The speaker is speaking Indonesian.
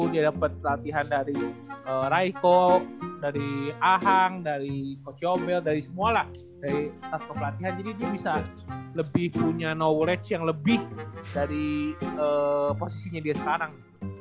jadi dia bisa lebih punya knowledge yang lebih dari posisinya dia sekarang